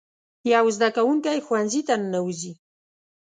یو زده کوونکی ښوونځي ته ننوځي.